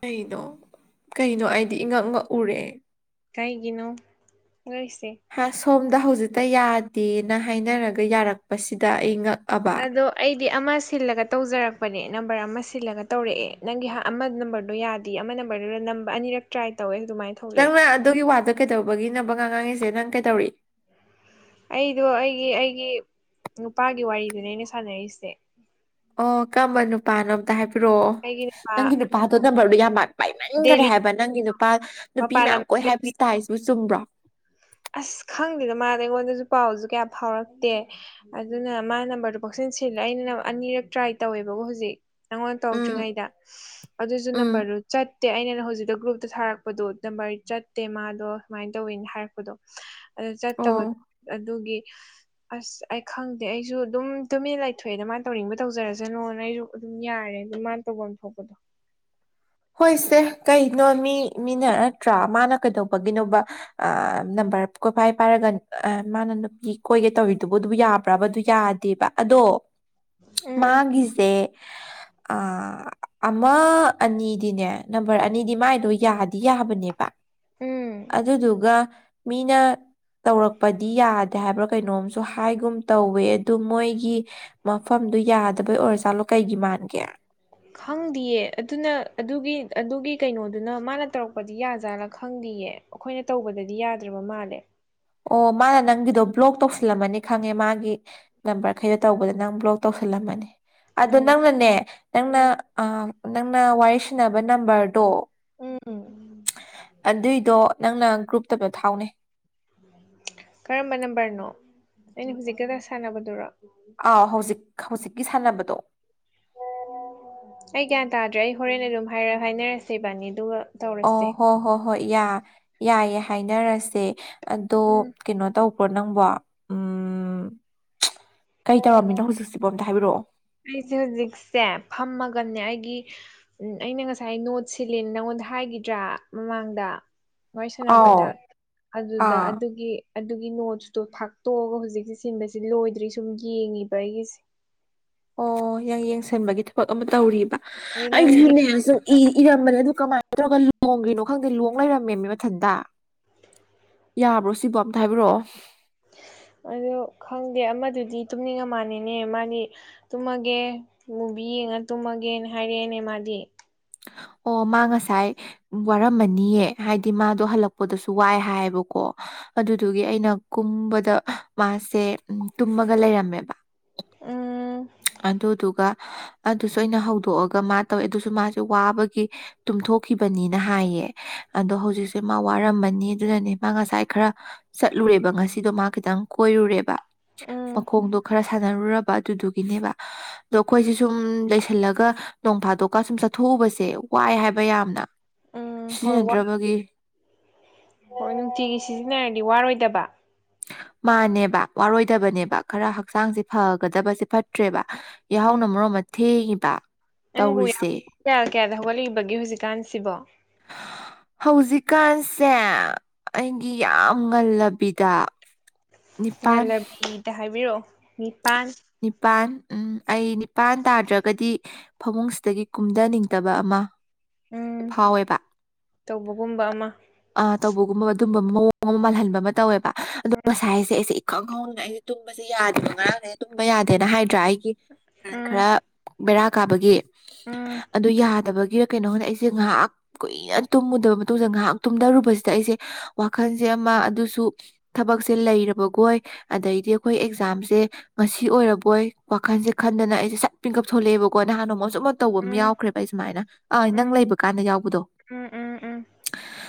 ꯀꯩꯅꯣ ꯀꯩꯅꯣ ꯑꯩꯗꯤ ꯏꯉꯛ ꯉꯛꯎꯔꯦ꯫ ꯀꯩꯒꯤꯅꯣ ꯅꯣꯏꯁꯦ꯫ ꯍꯥ ꯁꯣꯝꯗ ꯍꯧꯖꯤꯛꯇ ꯌꯥꯗꯦꯅ ꯍꯥꯏꯅꯔꯒ ꯌꯥꯔꯛꯄꯁꯤꯗ ꯑꯩꯉꯛ꯫ ꯑꯗꯣ ꯑꯩꯗꯤ ꯑꯃ ꯁꯤꯜꯂꯒ ꯇꯧꯖꯔꯛꯄꯅꯦ ꯅꯝꯕꯔ ꯑꯃ ꯁꯤꯜꯂꯒ ꯇꯧꯔꯛꯑꯦ ꯅꯪꯒꯤ ꯑꯃ ꯅꯝꯕꯔꯗꯣ ꯌꯥꯗ ꯑꯃ ꯅꯝꯕꯔ ꯅꯝꯕ ꯑꯅꯤꯔꯛ ꯇ꯭ꯔꯥꯏ ꯇꯧꯋꯦ ꯑꯗꯨꯃꯥꯏꯅ ꯊꯣꯛꯂꯛꯑꯦ ꯅꯪꯅ ꯑꯗꯨꯒꯤ ꯋꯥꯗꯣ ꯀꯩꯗꯧꯕꯒꯤꯅꯕ ꯉꯥꯡ ꯉꯥꯡꯉꯤꯁꯦ ꯅꯪ ꯀꯩꯗꯧꯔꯤ ꯑꯩꯗꯣ ꯑꯩꯒꯤ ꯑꯩꯒꯤ ꯅꯨꯄꯥꯒꯤ ꯋꯥꯔꯤꯗꯨꯅꯦ ꯑꯩꯅ ꯁꯥꯟꯅꯔꯤꯁꯦ ꯑꯣ ꯀꯝꯕ ꯅꯨꯄꯥꯅꯣ ꯑꯝꯇ ꯍꯥꯏꯕꯤꯔꯛꯑꯣ ꯑꯩꯒꯤ ꯅꯨꯄꯥ ꯅꯪꯒꯤ ꯅꯨꯄꯥꯗꯣ ꯅꯝꯕꯔꯗꯨꯣ ꯌꯥꯝ ꯃꯥꯜ ꯄꯥꯏꯃꯟꯒꯔꯦ ꯗꯦꯜꯂꯤ ꯍꯥꯏꯕ ꯅꯪꯒꯤ ꯅꯨꯄꯥ ꯅꯨꯄꯤ ꯃꯄꯥꯟ ꯃꯌꯥꯝ ꯂꯝꯗ ꯀꯣꯏ ꯂꯩꯕꯤ ꯍꯥꯏꯕꯁꯨ ꯇꯥꯏ ꯑꯁꯤꯕꯨ ꯆꯨꯝꯕ꯭ꯔꯣ꯫ ꯑꯁ ꯈꯪꯗꯦꯗ ꯃꯥꯖꯦ ꯑꯩꯉꯣꯟꯗꯁꯨ ꯄꯥꯎꯁꯨ ꯀꯌꯥ ꯐꯥꯎꯔꯛꯇꯦ ꯑꯗꯨꯅ ꯃꯥ ꯅꯝꯕꯔꯗꯣ ꯄꯪꯁꯤꯟ ꯁꯤꯟꯂꯦ ꯑꯩꯅ ꯑꯅꯤꯔꯛ ꯇ꯭ꯔꯥꯏ ꯇꯧꯋꯦꯕꯀꯣ ꯍꯧꯖꯤꯛ꯫ ꯅꯪꯉꯣꯟꯗ ꯎꯝ ꯇꯧꯗ꯭ꯔꯤꯉꯩꯗ ꯑꯗꯨꯁꯨ ꯎꯝ ꯅꯝꯕꯔꯗꯨ ꯆꯠꯇꯦ ꯑꯩꯅꯅ ꯍꯧꯖꯤꯛꯇ ꯒ꯭ꯔꯨꯞꯇ ꯊꯥꯔꯛꯄꯗꯣ ꯅꯝꯕꯔ ꯆꯠꯇꯦ ꯃꯥꯗꯣ ꯁꯨꯃꯥꯏꯅ ꯇꯧꯋꯤꯅ ꯍꯥꯏꯔꯛꯦ ꯆꯄꯗꯣ ꯑꯗꯨ ꯑꯣ ꯆꯠꯇꯕꯗꯣ ꯑꯗꯨꯒꯤ ꯑꯁ ꯑꯩ ꯈꯪꯗꯦ ꯑꯩꯁꯨ ꯑꯗꯨꯝ ꯇꯨꯃꯤꯟꯅ ꯂꯩꯊꯣꯛꯑꯦꯗ ꯃꯥꯅ ꯇꯧꯅꯤꯡꯕ ꯇꯧꯖꯔꯁꯅꯣꯅ ꯑꯩꯁꯨ꯫ ꯑꯗꯨꯝ ꯌꯥꯔꯦ ꯑꯗꯨ ꯃꯥꯅ ꯇꯧꯐꯝ ꯊꯣꯛꯄꯗꯣ꯫ ꯍꯣꯏꯁꯦ ꯀꯩꯅꯣ ꯃꯤ ꯃꯤꯅ ꯅꯠꯇ꯭ꯔꯥ ꯃꯥꯅ ꯀꯩꯗꯧꯕꯒꯤꯅꯣꯕ꯫ ꯑ ꯅꯝꯕꯔ ꯀꯣꯏꯐꯥꯏ ꯄꯥꯏꯔꯒ ꯃꯥꯅ ꯅꯨꯄꯤ ꯀꯣꯏꯒꯦ ꯇꯧꯔꯤꯗꯨꯕꯨ ꯑꯗꯨꯕꯨ ꯌꯥꯕ꯭ꯔꯕ ꯑꯗꯨ ꯌꯥꯗ ꯕ ꯑꯗꯣ ꯍꯦ꯫ ꯃꯥꯒꯤꯁꯦ ꯑꯃ ꯑꯅꯤ ꯗꯤꯅꯦ ꯅꯝꯕꯔ ꯑꯅꯤꯗꯤ ꯃꯥꯏꯗꯣ ꯌꯥꯗꯤ ꯌꯥꯕꯅꯦꯕ ꯎꯝ ꯑꯗꯨꯗꯨꯒ ꯃꯤꯅ꯫ ꯇꯧꯔꯛꯄꯗꯤ ꯌꯥꯗꯦ ꯍꯥꯏꯕ꯭ꯔꯥ ꯀꯩꯅꯣꯝꯁꯨ ꯍꯥꯏꯒꯨꯝ ꯇꯧꯋꯦ ꯑꯗꯨ ꯃꯣꯏꯒꯤ ꯃꯐꯝꯗꯨ ꯌꯥꯗꯕꯩ ꯑꯣꯔꯖꯥꯠꯂꯣ ꯀꯩꯒꯤ ꯃꯥꯟꯒꯦ ꯈꯪꯗꯤꯌꯦ ꯑꯗꯨꯅ ꯑꯗꯨꯒꯤ ꯑꯗꯨꯒꯤ ꯀꯩꯅꯣꯗꯨꯅ ꯃꯥꯅ ꯇꯧꯔꯛꯄꯗꯤ ꯌꯥꯖꯥꯠꯂꯥ ꯈꯪꯗꯤꯌꯦ꯫ ꯑꯩꯈꯣꯏꯅ ꯇꯧꯕꯗꯗꯤ ꯌꯥꯗ꯭ꯔꯕ ꯃꯥꯜꯂꯦ ꯑꯣ ꯃꯥꯅ ꯅꯪꯒꯤꯗꯣ ꯕ꯭ꯂꯣꯛ ꯇꯧꯁꯜꯂꯝꯃꯅꯤ ꯈꯪꯉꯦ ꯃꯥꯒꯤ ꯅꯝꯕꯔꯈꯩꯗꯣ ꯇꯧꯕꯗ ꯅꯪ ꯕ꯭ꯂꯣꯛ꯫ ꯇꯧꯁꯤꯜꯂꯝꯃꯅꯦ ꯑꯗꯣ ꯎꯝ ꯅꯪꯅꯅꯦ ꯅꯪꯅ ꯎꯝ ꯅꯪꯅ ꯋꯥꯔꯤ ꯁꯅꯕ ꯅꯝꯕꯔꯗꯣ ꯎꯝ ꯑꯗꯨꯏꯗꯣ ꯅꯪꯅ ꯒ꯭ꯔꯨꯞꯇꯕꯣ ꯊꯥꯎꯅꯦ ꯀꯔꯝꯕ ꯅꯝꯕꯔꯅꯣ ꯑꯩꯅ ꯍꯧꯖꯤꯛꯀꯗ ꯁꯥꯟꯅꯕꯗꯨꯔꯣ ꯑꯥꯎ ꯍꯧꯖꯤꯛ ꯍꯧꯖꯤꯛꯀꯤ ꯁꯥꯟꯅꯕꯗꯣ ꯑꯩ ꯒ꯭ꯌꯥꯟ ꯇꯥꯗ꯭ꯔꯦ ꯑꯩ ꯍꯣꯔꯦꯟ ꯑꯗꯨꯝ ꯍꯥꯏꯔ ꯍꯥꯏꯅꯔꯁꯦꯕꯥꯅꯤ ꯑꯗꯨꯒ ꯑꯣ ꯇꯧꯔꯁꯦ ꯍꯣ ꯍꯣꯏ ꯍꯣꯏ ꯌꯥ ꯌꯥꯏꯌꯦꯦ ꯍꯥꯏꯅꯔꯁꯦ ꯑꯗꯣ ꯎꯝ ꯀꯩꯅꯣ ꯇꯧꯕ꯭ꯔꯣ ꯅꯪꯕꯣ ꯎꯝ ꯀꯩ ꯇꯧꯔꯝꯃꯤꯅꯣ ꯍꯧꯖꯤꯛꯁꯤꯕꯣ ꯑꯝꯇ ꯍꯥꯏꯕꯤꯔꯛꯑꯣ꯫ ꯑꯩꯁꯦ ꯍꯧꯖꯤꯛꯁꯦ ꯐꯝꯃꯒꯅꯦ ꯑꯩꯒꯤ꯫ ꯎꯝ ꯑꯩꯅ ꯉꯁꯥꯏ ꯅꯣꯠ ꯁꯤꯜꯂꯤ ꯅꯪꯉꯣꯟꯗ ꯍꯥꯏꯈꯤꯗ꯭ꯔꯥ ꯃꯃꯥꯡꯗ ꯋꯥꯔꯤ ꯑꯥꯎ ꯁꯥꯟꯅꯕꯗ ꯑꯗꯨꯗ ꯑꯥ ꯑꯗꯨꯒꯤ꯫ ꯑꯗꯨꯒꯤ ꯅꯣꯠꯁꯨꯨꯗꯣ ꯊꯥꯛꯇꯣꯛꯑꯒ ꯍꯧꯖꯤꯛꯁꯦ ꯁꯤꯟꯕꯁ ꯂꯣꯏꯗ꯭ꯔꯤ ꯁꯨꯝ ꯌꯦꯡꯉꯤꯕ ꯑꯩꯒꯤꯁꯦ ꯑꯣ ꯌꯥ ꯌꯦꯡꯁꯟꯕꯒꯤ ꯊꯕꯛ ꯑꯃ ꯇꯧꯔꯤꯕ ꯑꯗꯨ ꯅꯪꯗꯤ ꯑꯩꯁꯨꯅꯦꯁꯨ ꯏꯔꯝꯕꯅꯦ ꯑꯗꯨ ꯀꯃꯥꯏꯅ ꯇꯧꯔꯒ ꯂꯣꯡꯒꯤꯅꯣ ꯈꯪꯗꯦ ꯂꯣꯡ ꯂꯩꯔꯝꯃꯦꯃꯤ ꯃꯊꯟꯇ ꯌꯥꯕ꯭ꯔꯣ ꯁꯤꯕꯨ ꯑꯝꯇ ꯍꯥꯏꯕꯤꯔꯛꯑꯣ ꯑꯗꯨ ꯈꯪꯗꯦ ꯑꯃꯗꯨꯗꯤ ꯇꯨꯝꯅꯤꯡꯉ ꯃꯥꯟꯅꯤꯅꯦ ꯃꯥꯗꯤ ꯇꯨꯝꯃꯒꯦ ꯃꯨꯚꯤ ꯌꯦꯡꯉ ꯇꯨꯝꯃꯒꯦꯅ ꯍꯥꯏꯔꯛꯑꯦꯅꯦ ꯃꯥꯗꯤ ꯑꯣ ꯃꯥꯡ ꯉꯁꯥꯏ ꯎꯝ ꯋꯥꯔꯝꯃꯅꯤꯌꯦ ꯍꯥꯏꯗꯤ ꯃꯥꯗꯣ ꯍꯜꯂꯛꯄꯗꯁꯨ ꯋꯥꯏ ꯍꯥꯏꯌꯦꯕꯀꯣ ꯑꯗꯨꯗꯨꯒꯤ ꯑꯩꯅ ꯀꯨꯝꯕꯗ ꯃꯥꯁꯦ ꯇꯨꯝꯃꯒ ꯂꯩꯔꯝꯃꯦꯕ ꯑꯥ ꯑꯗꯨꯗꯨꯒ ꯑꯗꯨꯁꯨ ꯑꯩꯅ ꯍꯧꯗꯣꯛꯑꯒ ꯃꯥ ꯇꯧꯋꯦ ꯑꯗꯨꯁꯨ ꯃꯥꯁꯦ ꯋꯥꯕꯒꯤ ꯇꯨꯝꯊꯣꯛꯈꯤꯕꯅꯤꯅ ꯍꯥꯏꯌꯦ ꯑꯗꯣ ꯍꯧꯖꯤꯛꯁꯦ ꯃꯥ ꯋꯥꯔꯝꯃꯅꯤ ꯑꯗꯨꯅꯅꯦ ꯃꯥ ꯉꯁꯥꯏ ꯈꯔ ꯆꯠꯂꯨꯔꯦꯕ ꯉꯁꯤꯗꯣ ꯃꯥ ꯈꯤꯇꯪ ꯀꯣꯏꯔꯨꯔꯦꯕ ꯎꯝ ꯃꯈꯣꯡꯗꯣ ꯈꯔ ꯁꯥꯟꯅꯔꯨꯔꯕ ꯑꯗꯨꯗꯨꯒꯤ ꯒꯤꯅꯦꯕ ꯑꯗꯣ ꯑꯩꯈꯣꯏꯁꯦ ꯁꯨꯝ ꯂꯩꯁꯤꯜꯂꯒ ꯅꯣꯡ ꯐꯥꯗꯣꯛꯀ ꯁꯨꯝ ꯆꯠꯊꯣꯛꯎꯕꯁꯦ ꯋꯥꯏ ꯍꯥꯏꯕ ꯌꯥꯝꯅ ꯎꯝ ꯍꯣꯏ ꯁꯤꯖꯤꯟꯅꯗ꯭ꯔꯕꯒꯤ ꯍꯣꯏ ꯅꯨꯡꯇꯤꯒꯤ ꯁꯤꯖꯤꯟꯅꯔꯗꯤ ꯋꯥꯔꯣꯏꯗꯕ ꯃꯥꯅꯦꯕ ꯋꯥꯔꯣꯏꯗꯕꯅꯦꯕ ꯈꯔ ꯍꯛꯆꯥꯡꯁꯦ ꯐꯒꯗꯕꯁꯦ ꯐꯠ ꯇ꯭ꯔꯦꯕ ꯌꯥꯍꯧꯅ ꯎꯝ ꯃꯔꯣꯟ ꯑꯃ ꯊꯦꯡꯉꯤꯕ ꯅꯪꯕꯨ ꯌꯥꯝ ꯇꯧꯔꯤꯁꯦ ꯀꯌꯥ ꯀꯌꯥꯗ ꯍꯧꯒꯠꯂꯛꯏꯕꯒꯦ ꯍꯧꯖꯤꯛꯀꯥꯟꯁꯤꯕꯣ ꯍꯧꯖꯤꯛꯀꯥꯟꯁꯦ ꯑꯩꯒꯤ ꯌꯥꯝ ꯉꯜꯂꯕꯤꯗ ꯅꯤꯄꯥꯜ ꯉꯂꯕꯤꯗ ꯍꯥꯏꯕꯤꯔꯛꯑꯣ ꯅꯤꯄꯥꯟ ꯅꯤꯄꯥꯜ ꯎꯝ ꯑꯩ ꯅꯤꯄꯥꯟ ꯇꯥꯗ꯭ꯔꯒꯗꯤ ꯐꯃꯨꯡꯁꯤꯗꯒꯤ ꯀꯨꯝꯊꯅꯤꯡꯗꯕ ꯑꯃ ꯎꯝ ꯐꯥꯎꯋꯦꯕ ꯇꯧꯕꯒꯨꯝꯕ ꯑꯃ ꯑ ꯇꯧꯕꯒꯨꯝꯕ ꯑꯗꯨꯝꯕ ꯃꯑꯣꯡ ꯑꯃ ꯃꯥꯜꯍꯟꯕ ꯑꯃ ꯇꯧꯋꯦꯕ ꯑꯗꯣ ꯉꯁꯥꯏꯁꯦ ꯑꯩꯁꯦ ꯈꯪꯍꯧꯗꯅ ꯑꯩꯁ ꯇꯨꯝꯕꯁꯦ ꯌꯥꯗꯕ ꯉꯔꯥꯡ ꯇꯨꯝꯕ ꯌꯥꯗꯦꯅ ꯍꯥꯏꯗ꯭ꯔꯥ ꯑꯩꯒꯤ ꯎꯝ ꯈꯔ ꯕꯦꯔꯥ ꯀꯥꯕꯒꯤ ꯎꯝ ꯑꯗꯨ ꯌꯥꯗꯕꯒꯤꯔ ꯀꯩꯅꯣꯅꯦ ꯑꯩꯁꯦ ꯉꯥꯏꯍꯥꯛ ꯀꯨꯏꯅ ꯇꯨꯝꯃꯨꯗꯕ ꯃꯇꯨꯡꯗ ꯉꯥꯏꯍꯥꯛ ꯇꯨꯝꯊꯔꯨꯕꯁꯤꯗ ꯑꯩꯁꯦ ꯋꯥꯈꯜꯁꯦ ꯑꯃ ꯑꯗꯨꯁꯨ ꯊꯕꯛꯁꯦ ꯂꯩꯔꯕꯈꯣꯏ ꯑꯗꯩꯗꯤ ꯑꯩꯈꯣꯏ ꯑꯦꯛꯖꯥꯝꯁꯦ ꯉꯁꯤ ꯑꯣꯏꯔꯕꯣꯏ ꯋꯥꯈꯟꯁꯦ ꯈꯟꯗꯅ ꯑꯩꯁꯦ ꯁꯠ ꯄꯤꯡꯀꯞ ꯊꯣꯛꯂꯛꯑꯦꯕꯀꯣ ꯅꯍꯥꯟ ꯅꯣꯡꯃꯛꯁꯨꯨꯝ ꯇꯧꯕ ꯑꯃ ꯎꯝ ꯌꯥꯎꯈ꯭ꯔꯦꯕ ꯑꯩ ꯁꯨꯃꯥꯏꯅ ꯑ ꯅꯪ ꯎꯝ ꯂꯩꯕ ꯀꯥꯟꯗ ꯌꯥꯎꯕꯗꯣ ꯎꯝ ꯎꯝ ꯎꯝ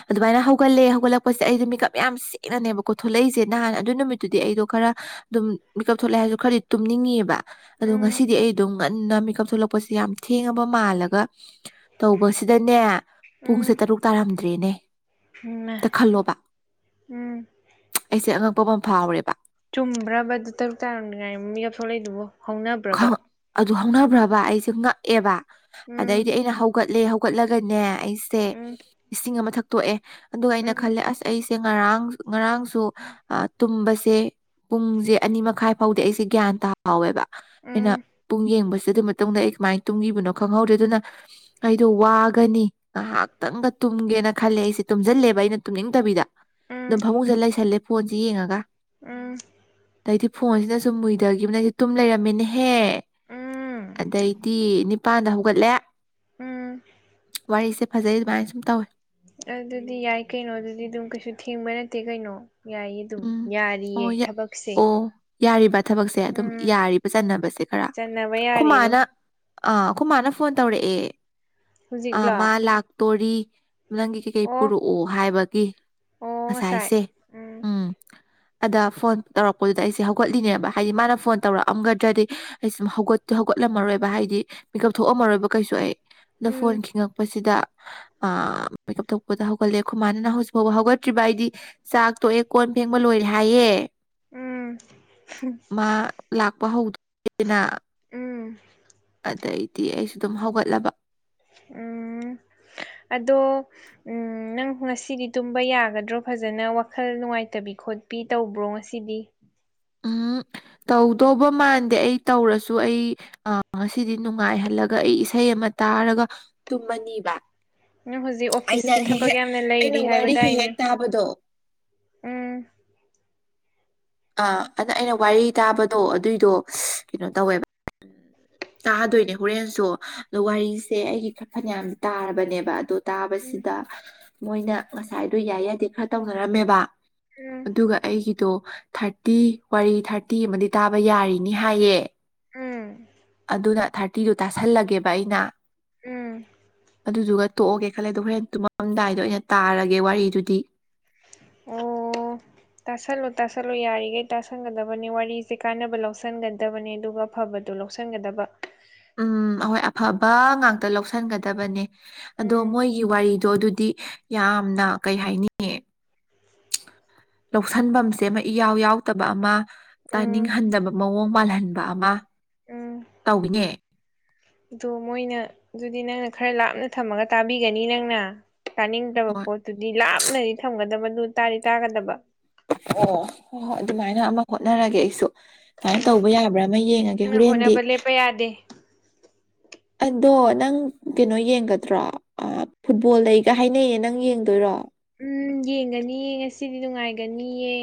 ꯑꯗꯨꯃꯥꯏꯅ ꯍꯧꯒꯠꯂꯦ ꯍꯧꯒꯠꯂꯛꯄꯁꯦ ꯑꯩꯗꯤ ꯃꯤꯀꯞ ꯌꯥꯝ ꯊꯦꯡꯅꯅꯦꯕꯀꯣ ꯊꯣꯛꯂꯛꯏꯁꯦ ꯅꯍꯥꯟ ꯑꯗꯨ ꯅꯨꯃꯤꯠꯇꯨꯗꯤ ꯑꯩꯗꯣ ꯈꯔ ꯑꯗꯨꯝ ꯃꯤꯀꯞ ꯊꯣꯛꯂꯛꯦ ꯍꯥꯏꯔꯁꯨ ꯈꯔꯗꯤ ꯇꯨꯝꯅꯤꯡꯉꯦꯑꯕ ꯑꯗ ꯉꯁꯤꯗꯤ ꯑꯩ ꯑꯗꯨꯝ ꯉꯟꯅ ꯃꯤꯦꯀꯞ ꯊꯣꯛꯂꯛꯄꯁꯤ ꯌꯥꯝ ꯊꯦꯡꯉꯕ ꯃꯥꯜꯂꯒ ꯇꯧꯕꯁꯤꯗꯅꯦ ꯄꯨꯡꯁꯦ ꯎꯝ ꯇꯔꯨꯛ ꯇꯥꯔꯝꯗ꯭ꯔꯦꯅꯦ ꯎꯝ ꯎꯝ ꯑꯝꯇ ꯈꯜꯂꯣꯕ ꯎꯝ ꯑꯩꯁꯦ ꯑꯉꯛꯄ ꯑꯃ ꯐꯥꯎꯔꯦꯕ ꯆꯨꯝꯕ꯭ꯔꯕ ꯑꯗꯨ ꯇꯔꯨꯛ ꯇꯥꯔꯝꯅꯤꯉꯥꯏ ꯃꯤ ꯀꯞꯊꯣꯛꯂꯛꯏꯗꯨꯕ ꯍꯧꯅꯕ꯭ꯔꯕ ꯑꯗꯨ ꯍꯧꯅꯕ꯭ꯔꯕ ꯑꯩꯁꯦ ꯉꯛꯑꯦꯕ ꯎꯝ ꯑꯗꯩꯗꯤ ꯑꯩꯅ ꯍꯧꯒꯠꯂꯦ ꯍꯧꯒꯠꯂꯒꯅꯦ ꯑꯩ ꯁꯦ ꯎꯝ ꯏꯁꯤꯡ ꯑꯃ ꯊꯛꯇꯣꯛꯑꯦ ꯑꯗꯨꯒ ꯑꯩꯅ ꯎꯝ ꯈꯜꯂꯦ ꯑꯁ ꯑꯩꯁꯦ ꯉꯔꯥꯡ ꯉꯔꯥꯡꯁꯨ ꯇꯨꯝꯕꯁꯦ ꯄꯨꯡꯁꯦ ꯑꯅꯤ ꯃꯈꯥꯏ ꯐꯥꯎꯗꯤ ꯑꯩꯁꯦ ꯒ꯭ꯌꯥꯟ ꯇꯥꯍꯥꯎꯋꯦꯕ ꯑꯩꯅ ꯎꯝ ꯄꯨꯡ ꯌꯦꯡꯕꯁꯤ ꯑꯗꯨ ꯇꯨꯝꯃꯦ ꯑꯩ ꯀꯃꯥꯏꯅ ꯇꯨꯝꯈꯤꯕꯅꯣ ꯈꯪꯍꯧꯗ꯭ꯔꯦ ꯑꯗꯨꯅ ꯑꯩꯗꯣ ꯋꯥꯒꯅꯤ ꯉꯥꯏꯍꯥꯛꯇꯪꯒ ꯇꯨꯝꯒꯦꯅ ꯈꯜꯂꯦ ꯑꯩꯁꯦ ꯇꯨꯝꯖꯜꯂꯦꯕ ꯑꯩꯅ ꯇꯨꯝꯅꯤꯡꯗꯕꯤꯗ ꯎꯝ ꯑꯗꯨꯝ ꯐꯃꯨꯡꯁꯗ ꯂꯩꯁꯜꯂꯦ ꯐꯣꯟꯁꯦ ꯌꯦꯡꯉꯒ ꯎꯝ ꯑꯗꯩꯗꯤ ꯐꯣꯟꯁꯤꯅ ꯁꯨꯝ ꯃꯨꯏꯗꯈꯤꯕꯅ ꯑꯩꯗꯤ ꯇꯨꯝ ꯂꯩꯔꯝꯃꯦꯅꯦꯍꯦ ꯎꯝ ꯑꯗꯩꯗꯤ ꯅꯤꯄꯥꯥꯟꯗ ꯍꯧꯒꯠꯂꯦ ꯎꯝ ꯋꯥꯔꯤꯁꯦ ꯐꯖꯩ ꯑꯗꯨꯃꯥꯏꯅ ꯁꯨꯝ ꯇꯧꯋꯦ ꯑꯗꯨꯗꯤ ꯌꯥꯏ ꯀꯩꯅꯣ ꯑꯗꯨꯗꯤ ꯑꯗꯨꯝ ꯀꯩꯁꯨ ꯊꯦꯡꯕ ꯅꯠꯇꯦ ꯀꯩꯅꯣ ꯌꯥꯏꯌꯦ ꯑꯗꯨꯝ ꯎꯝ ꯌꯥꯔꯤꯌꯦ ꯑꯣ ꯌꯥ ꯊꯕꯛꯁꯦ ꯑꯣ ꯌꯥꯔꯤꯕ ꯊꯕꯛꯁꯦ ꯑꯗꯨꯝ ꯎꯝ ꯌꯥꯔꯤꯕ ꯆꯟꯅꯅꯕꯁꯦ ꯈꯔ ꯆꯟꯅꯕ ꯌꯥꯔꯤ ꯑꯗꯨꯝ ꯈꯨꯃꯥꯅ ꯑꯥ ꯑꯩꯈꯣꯏ ꯃꯥꯅ ꯐꯣꯟ ꯇꯧꯔꯛꯑꯦ ꯑꯥ ꯍꯧꯖꯤꯛꯂꯣ ꯃꯥ ꯂꯥꯛꯇꯣꯔꯤ ꯅꯪꯒꯤ ꯀꯩ ꯑꯣ ꯄꯨꯔꯛꯑꯣ ꯍꯥꯏꯕꯒꯤ ꯑꯣ ꯉꯁꯥꯏ ꯉꯁꯥꯏꯁꯦ ꯎꯝ [inaudible] ꯑꯗ ꯐꯣꯟ ꯇꯧꯔꯛꯄꯗꯨꯗ ꯑꯩꯁꯦ ꯍꯧꯒꯠꯂꯤꯅꯦꯕ ꯍꯥꯏꯗꯤ ꯃꯥꯅ ꯐꯣꯟ ꯇꯧꯔꯛꯑꯝꯒꯗ꯭ꯔꯗꯤ ꯑꯩ ꯁ ꯍꯧꯒꯠꯇꯦ ꯍꯧꯒꯠꯂꯝꯃꯔꯣꯏꯕ ꯍꯥꯏꯗꯤ ꯃꯤꯀꯞ ꯊꯣꯛꯑꯝꯃꯔꯣꯏꯕ ꯀꯩꯁꯨ ꯑꯩ ꯅ ꯎꯝ ꯐꯣꯟ ꯈꯤꯉꯛꯄꯁꯤꯗ ꯑ-ꯃꯦꯀꯞ ꯊꯣꯛꯄꯗ ꯍꯧꯒꯠꯂꯦꯈꯣꯏ ꯃꯥꯥꯟꯅ ꯅꯪ ꯍꯧꯖꯤꯛ ꯐꯥꯎꯕ ꯍꯧꯒꯠꯇ꯭ꯔꯤꯕ ꯑꯩꯗꯤ ꯆꯥꯛ ꯇꯣꯛꯑꯦ ꯀꯣꯟ ꯐꯦꯡꯕ ꯂꯣꯏꯔꯦ ꯍꯥꯏꯌꯦ ꯎꯝ ꯃꯥ ꯂꯥꯛꯄ ꯍꯧꯗ꯭ꯔꯦꯅ ꯎꯝ ꯑꯗꯩꯗꯤ ꯑꯩꯁꯨ ꯑꯗꯨꯝ ꯍꯧꯒꯠꯂꯕ ꯎꯝ ꯑꯗꯣ ꯎꯝ ꯅꯪ ꯉꯁꯤꯗꯤ ꯇꯨꯝꯕ ꯌꯥꯒꯗ꯭ꯔꯣ ꯐꯖꯅ ꯋꯥꯈꯜ ꯅꯨꯡꯉꯥꯏꯇꯕꯤ ꯈꯣꯠ꯫ ꯄꯤ ꯇꯧꯕ꯭ꯔꯣ ꯉꯁꯤꯗꯤ ꯎꯝ ꯇꯧꯗꯧꯕ ꯃꯥꯟꯗꯦ ꯑꯩ ꯇꯧꯔꯁꯨ ꯑꯩ ꯑ ꯉꯁꯤꯗꯤ ꯅꯨꯡꯉꯥꯏꯍꯜꯂꯒ ꯑꯩ ꯏꯁꯩ ꯑꯃ ꯇꯥꯔꯒ ꯇꯨꯝꯃꯅꯤꯕ ꯅꯪ ꯍꯧꯖꯤꯛ ꯑꯩꯅ ꯑꯣꯐꯤꯁꯀꯤ ꯍꯦꯛ ꯊꯕꯛ ꯍꯦꯛ ꯌꯥꯝꯅ ꯑꯩꯅ ꯂꯩꯔꯤ ꯋꯥꯔꯤ ꯍꯦꯛ ꯍꯥꯏꯕꯗꯥꯏꯅꯦ ꯍꯦꯛ ꯇꯥꯕꯗꯣ ꯎꯝ ꯑꯥ ꯑꯗꯨꯗ ꯑꯩꯅ ꯋꯥꯔꯤ ꯇꯥꯕꯗꯣ ꯑꯗꯨꯏꯗꯣ ꯀꯩꯅꯣ ꯇꯧꯋꯦꯕ ꯇꯥꯗꯣꯏꯅꯦ ꯍꯣꯔꯦꯟꯁꯨ ꯑꯗꯣ ꯋꯥꯔꯤꯁꯦ ꯑꯩꯒꯤ ꯈ ꯐꯅꯌꯥꯝ ꯇꯥꯔꯕꯅꯦꯕ ꯑꯗꯣ꯫ ꯎꯝ ꯇꯥꯕꯁꯤꯗ ꯃꯣꯏꯅ ꯉꯁꯥꯏꯗꯣ ꯌꯥꯏ ꯌꯥꯗꯦ ꯈꯔ ꯇꯧꯅꯔꯝꯃꯦꯕ ꯎꯝ ꯑꯗꯨꯒ ꯑꯩꯒꯤꯗꯣ ꯊꯥꯔꯇꯤ ꯋꯥꯔꯤ ꯊꯥꯔꯇꯤ ꯑꯃꯗꯤ ꯇꯥꯕ ꯌꯥꯔꯤꯅꯤ ꯍꯥꯏꯌꯦ꯫ ꯑꯝ ꯑꯗꯨꯅ ꯊꯥꯔꯇꯤꯗꯨ ꯇꯥꯁꯜꯂꯒꯦꯕ ꯑꯩꯅ ꯎꯝ ꯑꯗꯨꯗꯨꯒ ꯇꯣꯛꯑꯒꯦ ꯈꯜꯂꯦ ꯑꯗꯣ ꯍꯣꯔꯦꯟ ꯇꯨꯝꯃꯝꯗꯥꯏꯗ ꯑꯣꯏꯅ ꯇꯥꯔꯒꯦ ꯋꯥꯔꯤꯗꯨꯗꯤ ꯑꯣ ꯇꯥꯁꯜꯂꯨ ꯇꯥꯁꯜꯂꯨ ꯌꯥꯔꯤꯈꯩ ꯇꯥꯁꯟꯒꯗꯕꯅꯤ ꯋꯥꯔꯤꯁꯦ ꯀꯥꯟꯅꯕ ꯂꯧꯁꯤꯟꯒꯗꯕꯅꯦ ꯑꯗꯨꯒ ꯑꯐꯕꯗꯨ ꯂꯧꯁꯟꯒꯗꯕ ꯎꯝ ꯍꯣꯏ ꯑꯐꯕ ꯉꯥꯛꯇ ꯂꯧꯁꯤꯟꯒꯗꯕꯅꯦ꯫ ꯑꯗꯣ ꯎꯝ ꯃꯣꯏꯒꯤ ꯋꯥꯔꯤꯗꯣ ꯑꯗꯨꯗꯤ ꯌꯥꯝꯅ ꯀꯩ ꯍꯥꯏꯅꯤ ꯂꯧꯁꯟꯐꯝꯁꯦ ꯑꯃ ꯏꯌꯥꯎ ꯌꯥꯎꯗꯕ ꯑꯃ ꯎꯝ ꯇꯥꯅꯤꯡꯍꯟꯗꯕ ꯃꯑꯣꯡ ꯃꯥꯜꯍꯟꯕ ꯑꯃ ꯇꯧꯋꯤꯅꯦ ꯑꯗꯣ ꯃꯣꯏꯅ ꯑꯗꯨꯗꯤ ꯅꯪꯅ ꯈꯔ ꯂꯥꯞꯅ ꯊꯝꯃꯒ ꯇꯥꯕꯤꯒꯅꯤ ꯅꯪꯅ꯫ ꯇꯥꯅꯤꯡꯗꯕ ꯍꯣꯏ ꯄꯣꯠꯇꯨꯗꯤ ꯂꯥꯞꯅꯗꯤ ꯊꯝꯒꯗꯕꯗꯨ ꯇꯥꯗꯤ ꯇꯥꯒꯗꯕ꯫ ꯑꯣ ꯍꯣꯏ ꯍꯣꯏ ꯑꯗꯨꯃꯥꯏꯅ ꯑꯃ ꯍꯣꯠꯅꯔꯒꯦ ꯑꯩꯁꯨ ꯀꯃꯥꯏꯅ ꯎꯝ ꯇꯧꯕ ꯌꯥꯕ꯭ꯔꯥ ꯑꯃ ꯌꯦꯡꯉꯒꯦ ꯅꯪꯅ ꯍꯣꯔꯦꯟꯗꯤ ꯍꯣꯠꯅꯕ ꯂꯦꯞꯄ ꯌꯥꯗꯦ [inaudible] ꯑꯗꯣ ꯅꯪ ꯀꯩꯅꯣ ꯌꯦꯡꯒꯗ꯭ꯔꯣ ꯐꯨꯠꯕꯣꯜ ꯂꯩꯒ ꯍꯥꯏꯅꯩꯌꯦ ꯅꯪ ꯌꯦꯡꯗꯣꯏꯔꯣ꯫ ꯎꯝ ꯌꯦꯡꯒꯅꯤꯌꯦ ꯉꯁꯤꯗꯤ ꯅꯨꯡꯉꯥꯏꯒꯅꯤꯌꯦ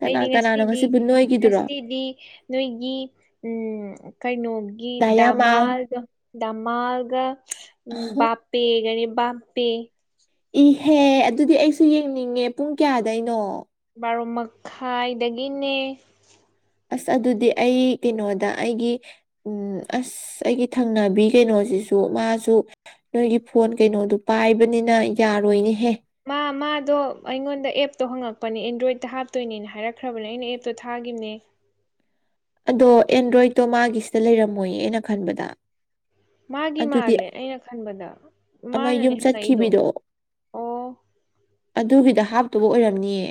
ꯀꯅꯥ ꯑꯩꯗꯤ ꯀꯅꯥꯅꯣ ꯉꯁꯤꯗꯤ ꯉꯁꯤꯕꯨ ꯅꯣꯏꯒꯤꯗꯨꯔꯣ ꯉꯁꯤꯗꯤ ꯅꯣꯏꯒꯤ ꯎꯝ ꯀꯩꯅꯣꯒꯤ ꯗꯥꯌꯥꯃꯥꯜ ꯗꯃꯥꯔꯗꯣ ꯗꯃꯥꯜꯒ ꯎꯝ ꯕꯄꯦꯒꯅꯤ ꯕꯄꯦ ꯏꯍꯦꯍ ꯑꯗꯨꯗꯤ ꯑꯩꯁꯨ ꯌꯦꯡꯅꯤꯡꯉꯦ ꯄꯨꯡ ꯀꯌꯥꯗꯩꯅꯣ ꯕꯥꯔꯣ ꯃꯈꯥꯏꯗꯒꯤꯅꯦ ꯑꯁ ꯑꯗꯨꯗꯤ ꯑꯩ ꯀꯩꯅꯣꯗ ꯑꯩꯒꯤ꯫ ꯎꯝ ꯑꯁ ꯑꯩꯒꯤ ꯊꯪꯅꯕꯤ ꯀꯩꯅꯣꯁꯤꯁꯨ ꯃꯥꯁꯨ꯫ ꯅꯣꯏꯒꯤ ꯐꯣꯟ ꯀꯩꯅꯣꯗꯨ ꯄꯥꯏꯕꯅꯤꯅ ꯌꯥꯔꯣꯏꯅꯤꯍꯦ ꯃꯥ ꯃꯥꯗꯣ ꯑꯩꯉꯣꯟꯗ ꯑꯦꯞꯇꯣ ꯍꯪꯉꯛꯄꯅꯦ ꯑꯦꯟꯗ꯭ꯔꯣꯏꯗꯠꯇ ꯍꯥꯞꯇꯣꯏꯅꯦꯅ ꯍꯥꯏꯔꯛꯈ꯭ꯔꯕꯅꯦ ꯑꯩꯅ ꯑꯦꯞꯇꯣ ꯊꯥꯈꯤꯕꯅꯦ ꯑꯗꯣ ꯑꯦꯟꯗ꯭ꯔꯣꯏꯗꯠꯇꯣ ꯃꯥꯒꯤꯁꯤꯗ ꯂꯩꯔꯝꯃꯣꯏꯌꯦꯅ ꯈꯟꯕꯗ ꯃꯥꯒꯤ ꯑꯗꯨꯗꯤ ꯃꯥꯜꯂꯦ ꯑꯩꯅ ꯈꯟꯕꯗ ꯑꯃ ꯃꯥꯅꯅꯦ ꯌꯨꯝ ꯍꯪꯉꯛꯏꯗꯣ ꯆꯠꯈꯤꯕꯤꯗꯣ ꯑꯣ ꯑꯗꯨꯒꯤꯗ ꯍꯥꯞꯇꯕ ꯑꯣꯏꯔꯝꯅꯤꯌꯦ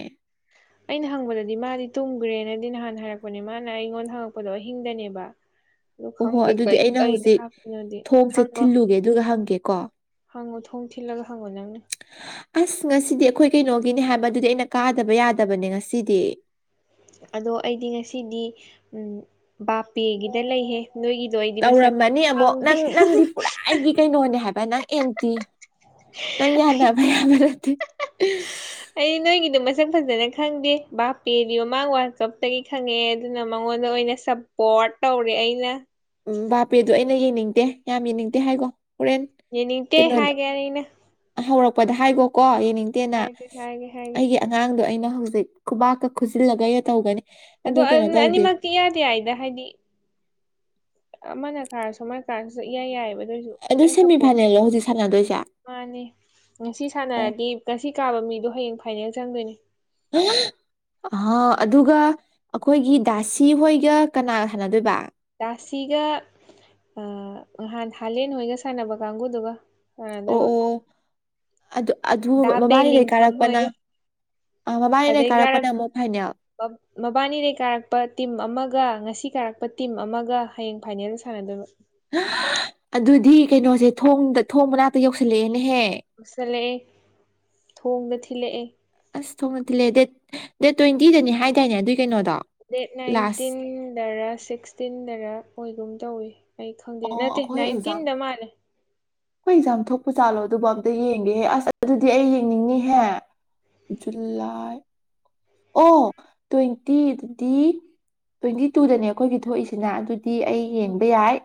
ꯑꯩꯅ ꯍꯪꯕꯗꯗꯤ ꯃꯥꯗꯤ ꯇꯨꯝꯈ꯭ꯔꯦꯅꯗꯤ ꯅꯍꯥꯟ ꯍꯥꯏꯔꯛꯄꯅꯦ ꯃꯥꯅ ꯑꯩꯉꯣꯟꯗ ꯍꯪꯉꯛꯄꯗꯣ ꯑꯍꯤꯡꯗꯅꯦꯕ ꯑꯗꯣ ꯑꯣꯍꯣ ꯈꯪꯗꯦ ꯑꯗꯨꯗꯤ ꯀꯩ ꯑꯩꯅ ꯀꯩꯗ ꯍꯧꯖꯤꯛ ꯍꯥꯞꯇꯣꯏꯅꯣꯗꯤ ꯊꯣꯡꯁꯦ ꯈꯥꯡꯉꯣ꯫ ꯊꯤꯜꯂꯨꯒꯦ ꯑꯗꯨꯒ ꯍꯪꯒꯦꯀꯣ ꯍꯪꯉꯣ ꯊꯣꯡ ꯊꯤꯜꯂꯒ ꯍꯪꯉꯣ ꯅꯪꯅ ꯑꯁ ꯉꯁꯤꯗꯤ ꯑꯩꯈꯣꯏ ꯀꯩꯅꯣꯒꯤꯅꯦ ꯍꯥꯏꯕ ꯑꯗꯨꯗꯤ ꯑꯩꯅ ꯀꯥꯗꯕ ꯌꯥꯗꯕꯅꯦ ꯉꯁꯤꯗꯤ꯫ ꯑꯗꯣ ꯑꯩꯗꯤ ꯉꯁꯤꯗꯤ ꯎꯝ ꯕꯥꯄꯦꯒꯤꯗ ꯂꯩꯍꯦ꯫ ꯅꯣꯏꯒꯤꯗꯣ ꯑꯩꯗꯤ ꯃꯁꯛ ꯇꯧꯔꯝꯃꯅꯤ ꯑꯃꯨꯛ ꯈꯪꯗꯦ꯫ ꯅꯪ ꯅꯪꯗꯤ ꯄꯨꯔꯥ ꯑꯩꯒꯤ ꯀꯩꯅꯣꯅꯦ ꯍꯥꯏꯕ ꯅꯪ ꯑꯦꯟꯇꯤ ꯅꯪ ꯌꯥꯟꯅꯕ ꯌꯥꯕ ꯅꯠꯇꯦ ꯁ ꯑꯩ ꯅꯣꯏꯒꯤꯗꯣ ꯃꯁꯛ ꯐꯖꯅ ꯈꯪꯗꯦ ꯕꯥꯞꯄꯦꯗꯤ ꯃꯥꯃꯥꯡ ꯋꯥꯜꯀꯞꯇꯒꯤ ꯈꯪꯉꯛꯑꯦ ꯑꯗꯨꯅ ꯃꯉꯣꯟꯗ ꯑꯣꯏꯅ ꯁꯞꯄꯣꯔꯠ ꯇꯧꯔꯦ ꯑꯩꯅ ꯎ ꯕꯥꯄꯦꯗꯨ ꯑꯩꯅ ꯌꯦꯡꯅꯤꯡꯗꯦ ꯌꯥꯝ ꯌꯦꯡꯅꯤꯡꯗꯦ ꯍꯥꯏꯀꯣ ꯍꯣꯔꯦꯟ ꯌꯦꯅꯤꯡꯇꯦ ꯀꯩꯅꯣꯗ ꯍꯥꯏꯒꯦꯅꯤꯅ ꯍꯧꯔꯛꯄꯗ ꯍꯥꯏꯕꯣꯀꯣ ꯌꯦꯡꯅꯤꯡꯗꯦꯅ ꯍꯥꯏꯒꯦ ꯍꯥꯏꯒꯦ ꯍꯥꯏꯒꯦ ꯑꯩꯒꯤ ꯑꯉꯥꯡꯗꯣ ꯑꯩꯅ ꯍꯧꯖꯤꯛ ꯈꯨꯕꯥꯛꯀ ꯈꯨꯖꯤꯜꯂꯒ ꯇꯧꯒꯅꯤ ꯑꯗꯣ ꯀꯩꯅꯣ ꯑꯗꯨꯅꯤ ꯇꯧꯗꯦ ꯏꯌꯥꯗ ꯌꯥꯏꯗ ꯍꯥꯏꯗꯤ ꯑꯃꯅ ꯀꯥꯔꯁꯨ ꯑꯃꯅ ꯀꯥꯔꯁꯨ ꯏꯌꯥꯏ ꯌꯥꯏꯑꯦꯕ ꯑꯗꯨꯏꯁꯨ꯫ ꯑꯗꯨ ꯁꯦꯃꯤꯐꯥꯏꯅꯦꯜꯂꯣ ꯍꯧꯖꯤꯛ ꯁꯥꯟꯅꯗꯣꯏꯁꯦ ꯃꯥꯅꯦ ꯉꯁꯤ ꯑꯣ ꯁꯥꯟꯅꯔꯗꯤ ꯉꯁꯤ ꯀꯥꯕ ꯃꯤꯗꯣ ꯍꯌꯦꯡ ꯐꯥꯏꯅꯦꯜ ꯆꯪꯗꯣꯏꯅꯤ ꯑꯍ ꯑ ꯑꯗꯨꯒ ꯑꯩꯈꯣꯏꯒꯤ ꯗꯥꯁꯤ ꯍꯣꯏꯒ ꯀꯅꯥꯒ ꯁꯥꯟꯅꯗꯣꯏꯕ ꯥꯁꯤꯒ ꯅꯍꯥꯟ ꯍꯥꯂꯦꯟ ꯍꯣꯏꯒ ꯁꯥꯟꯅꯕ ꯀꯥꯡꯕꯨꯨꯗꯨꯒ ꯑꯣ ꯑꯣ ꯑꯗꯨ ꯑꯗꯨ ꯗꯥ ꯃꯕꯥꯅꯤꯗꯩ ꯕꯦꯂꯤꯡꯈꯝ ꯀꯥꯔꯛꯄꯅ꯫ ꯍꯣꯏꯒ ꯑ ꯃꯕꯥꯅꯦ ꯀꯥꯔꯛꯄꯗ ꯑꯃꯨꯛ ꯐꯥꯏꯅꯦꯜ ꯄꯛ꯫ ꯃꯕꯥꯅꯤꯗꯩ ꯀꯥꯔꯛꯄ ꯇꯤꯝ ꯑꯃꯒ ꯉꯁꯤ ꯀꯥꯔꯛꯄ ꯇꯤꯝ ꯑꯃꯒ ꯍꯌꯦꯡ ꯐꯥꯏꯅꯦꯜꯗ ꯁꯥꯟꯅꯗꯣꯏꯕ꯫ ꯑꯗꯨꯗꯤ ꯀꯩꯅꯣꯁꯦ ꯊꯣꯡꯗ ꯊꯣꯡ ꯃꯅꯥꯛꯇ ꯌꯧꯁꯜꯂꯛꯑꯦꯅꯦꯍꯦ꯫ ꯌꯧꯁꯜꯂꯛꯑꯦ ꯊꯣꯡꯗ ꯊꯤꯜꯂꯛꯑꯦ ꯑꯁ ꯊꯣꯡꯅ ꯊꯤꯜꯂꯦ ꯗꯦꯠ ꯗꯦꯠ ꯇ꯭ꯋꯦꯟꯇꯤꯗꯅꯦ ꯍꯥꯏꯗꯥꯏꯅꯦ ꯑꯗꯨꯏ ꯀꯩꯅꯣꯗꯣ ꯗꯦꯠ ꯂꯥꯁ ꯅꯥꯏꯟꯇꯤꯟꯗꯔ ꯁꯤꯛꯁꯇꯤꯟꯗꯔ ꯑꯣꯏꯒꯨꯝ ꯇꯧꯑꯦ꯫ ꯑꯩ ꯈꯪꯗꯦ ꯑꯣ ꯅꯠꯇꯦ ꯅꯥꯏꯟꯇꯤꯟꯗ ꯃꯥꯜꯂꯦ ꯍꯣꯏ ꯑꯦꯛꯖꯥꯝ ꯊꯣꯛꯄ ꯆꯥꯠꯂꯣ ꯑꯗꯨꯕꯨ ꯑꯝꯇ ꯌꯦꯡꯒꯦꯍꯦ ꯑꯁ ꯑꯗꯨꯗꯤ ꯑꯩ ꯌꯦꯡꯅꯤꯡꯅꯤꯍꯦ ꯖꯨꯂꯥꯏ ꯑꯣ ꯇ꯭ꯋꯦꯟꯇꯤꯗꯗꯤ ꯇ꯭ꯋꯦꯟꯇꯤ ꯇꯨꯗꯅꯦ ꯑꯩꯈꯣꯏꯒꯤ ꯊꯣꯛꯏꯁꯤꯅ ꯑꯗꯨ ꯗꯤ ꯑꯩ ꯌꯦꯡꯕ ꯌꯥꯏ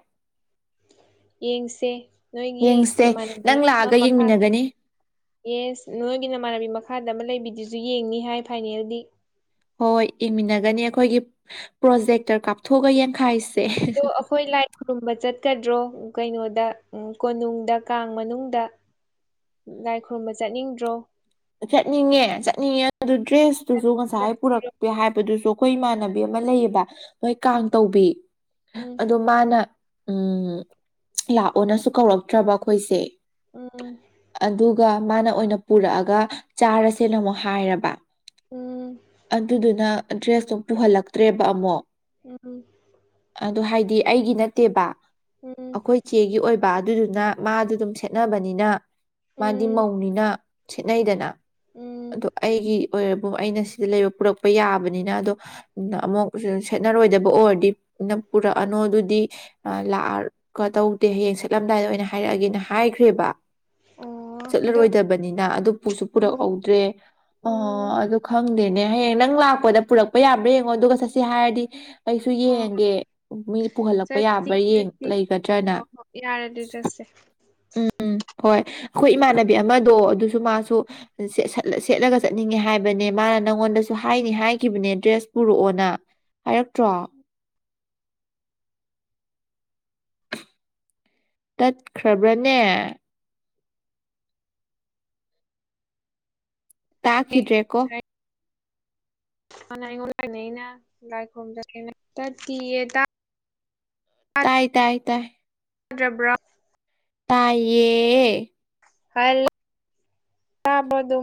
ꯌꯦꯡꯁꯦ ꯅꯣꯏꯒꯤ ꯌꯦꯡꯁꯦ ꯅꯃꯥꯟꯅꯕꯤ ꯅꯪ ꯑꯃ ꯂꯥꯛꯑꯒ ꯃꯈꯥ ꯌꯦꯡꯃꯤꯟꯅꯒꯅꯤ ꯌꯦꯁ ꯅꯣꯏꯒꯤ ꯅꯃꯥꯟꯅꯕꯤ ꯃꯈꯥꯗ ꯑꯃ ꯂꯩꯕꯤꯗꯨꯁꯨ ꯌꯦꯡꯅꯤ ꯍꯥꯏ ꯐꯥꯏꯅꯦꯜꯗꯤ ꯍꯣꯏ ꯌꯦꯡꯃꯤꯟꯅꯒꯅꯤ ꯑꯩꯈꯣꯏꯒꯤ ꯄ꯭ꯔꯣꯖꯦꯛꯇꯔ ꯀꯥꯞꯊꯣꯛꯑꯒ ꯌꯦꯡꯈꯥꯏꯁꯦ ꯑꯗꯣ ꯑꯩꯈꯣꯏ ꯂꯥꯏ ꯈꯨꯔꯨꯝꯕ ꯆꯠꯀꯗ꯭ꯔꯣ ꯀꯩꯅꯣꯗ ꯀꯣꯅꯨꯡꯗ ꯀꯥꯡ ꯃꯅꯨꯡꯗ ꯂꯥꯥꯏ ꯈꯨꯔꯨꯝꯕ ꯆꯠꯅꯤꯡꯗ꯭ꯔꯣ ꯆꯠꯅꯤꯡꯉꯦ ꯆꯠꯅꯤꯡꯉꯦ ꯑꯗꯨ ꯗ꯭ꯔꯦꯁꯇꯨꯁꯨ ꯉꯁꯥꯏ ꯄꯨꯔꯛꯄꯦ ꯍꯥꯏꯕꯗꯨꯁꯨ ꯑꯩꯈꯣꯏ ꯏꯃꯥꯟꯅꯕꯤ ꯑꯃ ꯂꯩꯌꯦꯕ ꯃꯣꯏ ꯀꯥꯡ ꯇꯧꯕꯤ ꯎꯝ ꯑ ꯃꯥꯅ ꯎꯝ ꯂꯥꯛꯑꯣꯅꯁꯨ ꯀꯧꯔꯛꯇ꯭ꯔꯕ ꯑꯩꯈꯣꯏꯁꯦ ꯎꯝ ꯑꯗꯨꯒ ꯃꯥꯅ ꯑꯣꯏꯅ ꯄꯨꯔꯛꯑꯒ ꯆꯥꯔꯁꯦꯅ ꯑꯃꯨꯛ ꯍꯥꯏꯔꯕ ꯎꯝ ꯑꯗꯨꯗꯨꯅ ꯗ꯭ꯔꯦꯁꯇꯣ ꯄꯨꯍꯜꯂꯛꯇ꯭ꯔꯦꯕ ꯑꯃꯛ ꯑ ꯑꯗꯨ ꯍꯥꯏꯗꯤ ꯑꯩꯒꯤ ꯅꯠꯇꯦꯕ ꯎꯝ ꯑꯩꯈꯣꯏ ꯆꯦꯒꯤ ꯑꯣꯏꯕ ꯑꯗꯨꯗꯨꯅ ꯃꯥꯗꯨ ꯑꯗꯨꯝ ꯁꯦꯠꯅꯕꯅꯤꯅ ꯃꯥꯗꯤ ꯎꯝ ꯃꯧꯅꯤꯅ ꯅꯗꯅ ꯎꯝ ꯑꯗꯣ ꯑꯩꯒꯤ ꯑꯣꯏꯕꯨ ꯑꯩꯅ ꯁꯤꯗ ꯂꯩꯕ ꯄꯨꯔꯛꯄ ꯌꯥꯕꯅꯤꯅ ꯑꯗꯣ ꯑꯃꯨꯛ ꯁꯦꯠꯅꯔꯣꯏꯗꯕ ꯑꯣꯏꯔꯗꯤ ꯅ- ꯄꯨꯔꯛꯑꯅꯣ ꯑꯗꯨꯗꯤ ꯂꯥꯛꯑꯀ ꯇꯧꯗꯦ ꯍꯌꯦꯡ ꯁꯠꯂꯝꯗꯥꯏꯗ ꯑꯣꯏꯅ ꯍꯥꯏꯔꯛꯑꯒꯦꯅ ꯍꯥꯏꯈ꯭ꯔꯦꯕ ꯑꯣ ꯑꯗꯣ ꯆꯠꯂꯔꯣꯏꯗꯕꯅꯤꯅ ꯑꯗꯨꯁꯨ ꯎꯝ ꯄꯨꯔꯛꯎ ꯗ꯭ꯔꯦ ꯑꯣ ꯍꯣꯏ ꯑꯗꯨ ꯈꯪꯗꯦꯅꯦ ꯍꯌꯦꯡ ꯅꯪ ꯂꯥꯛꯄꯗ ꯄꯨꯔꯛꯄ ꯌꯥꯕ꯭ꯔꯥ ꯌꯦꯡꯉꯣ ꯑꯗꯨꯒ ꯆ ꯁꯤ ꯍꯥꯏꯔꯗꯤ ꯀꯩꯁꯨ ꯍꯣꯏ ꯌꯦꯡꯒꯦ ꯃꯤ ꯄꯨꯍꯜꯂꯛꯄ ꯌꯥꯕ꯭ꯔꯥ ꯂꯩꯒꯗ꯭ꯔꯅ ꯌꯥꯔꯗꯤ ꯆꯁꯦ ꯎꯝ ꯎꯝ ꯍꯣꯏ ꯑꯩꯈꯣꯏ ꯏꯃꯥꯟꯅꯕꯤ ꯑꯃꯗꯣ ꯑꯗꯨꯁꯨ ꯃꯥꯁꯨ ꯁꯦꯠꯂꯒ ꯆꯠꯅꯤꯡꯉꯦ ꯍꯥꯏꯕꯅꯦ ꯃꯥꯅ ꯅꯪꯉꯣꯟꯗꯁꯨ ꯍꯥꯏꯅꯤ ꯍꯥꯏꯈꯤꯕꯅꯦ ꯗ꯭ꯔꯦꯁ ꯄꯨꯔꯛꯑꯣꯅ ꯍꯥꯏꯔꯛꯇ꯭ꯔꯣ ꯇꯠꯈ꯭ꯔꯕ꯭ꯔꯅꯦ ꯇꯥꯈꯤꯗ꯭ꯔꯦꯀꯣ ꯂꯥꯏꯅꯦꯅꯥꯏ ꯈꯣꯗ ꯇꯤꯌꯦ ꯇ ꯇꯥꯏ ꯇꯥꯏ ꯇꯥꯏ ꯌꯥꯗ꯭ꯔꯕ꯭ꯔꯥ ꯇꯌꯦ ꯍꯂꯣ ꯁꯥꯕꯗꯣ